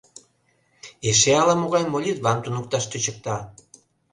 Эше ала-могай молитвам туныкташ тӧчыкта.